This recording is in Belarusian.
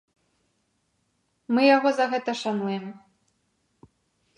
Мы яго за гэта шануем.